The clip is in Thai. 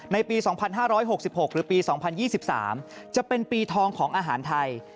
ปี๒๕๖๖หรือปี๒๐๒๓จะเป็นปีทองของอาหารไทย